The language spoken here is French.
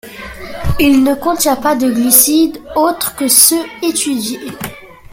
Il ne contient pas de glucides autres que ceux etudiés.